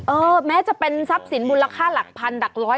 แม้จะเป็นทรัพย์สินมูลค่าหลักพันหลักร้อย